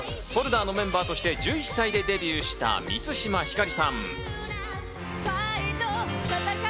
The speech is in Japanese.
Ｆｏｌｄｅｒのメンバーとして１１歳でデビューした、満島ひかりさん。